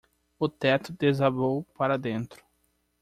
O teto desabou para dentro.